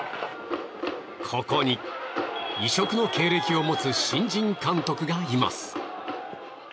ここに異色の経歴を持つ新人監督がいます。